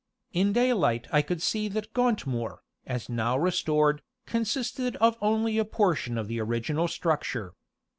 In daylight I could see that Gauntmoor, as now restored, consisted of only a portion of the original structure.